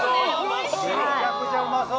めちゃくちゃうまそう。